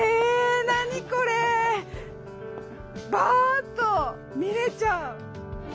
バーッと見れちゃう！